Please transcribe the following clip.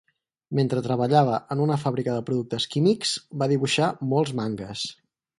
Mentre treballava en una fàbrica de productes químics, va dibuixar molts mangues.